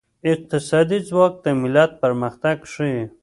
اقتصادي ځواک د ملت پرمختګ ښيي.